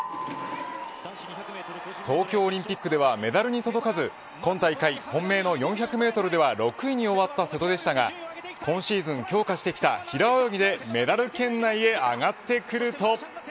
東京オリンピックではメダルに届かず今大会本命の４００メートルでは６位に終わった瀬戸でしたが今シーズン強化してきた平泳ぎでメダル圏内へ上がってくると。